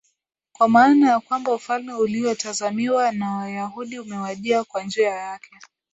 kwa maana ya kwamba ufalme uliotazamiwa na Wayahudi umewajia kwa njia yake